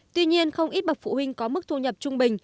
tuy nhiên không ít bậc phụ huynh có mức thu nhập trung bình